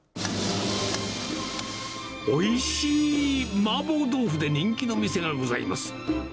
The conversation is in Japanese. おいしいマーボー豆腐で人気の店がございます。